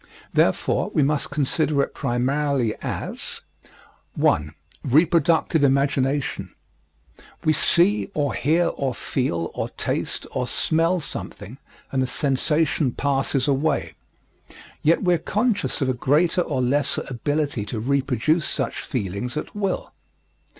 Therefore we must consider it primarily as 1. Reproductive Imagination We see or hear or feel or taste or smell something and the sensation passes away. Yet we are conscious of a greater or lesser ability to reproduce such feelings at will.